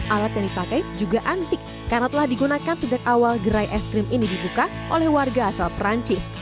alat yang dipakai juga antik karena telah digunakan sejak awal gerai es krim ini dibuka oleh warga asal perancis